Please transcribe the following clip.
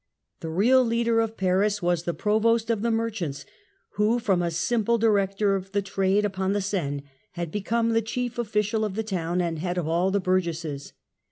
The real leader of Paris was the Provost of the Merchants, who from a simple director of the trade upon the Seine, had become the chief official of the town and head of all the burgesses.